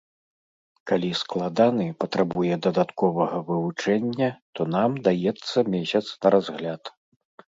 Калі складаны, патрабуе дадатковага вывучэння, то нам даецца месяц на разгляд.